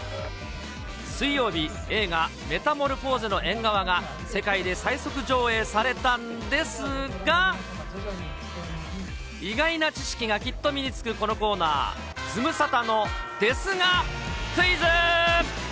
水曜日、映画、メタモルフォーゼの縁側が世界で最速上映されたんですが、意外な知識がきっと身につくこのコーナー、ズムサタのですがクイズ。